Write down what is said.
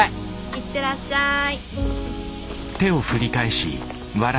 いってらっしゃい。